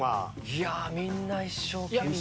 いやみんな一生懸命。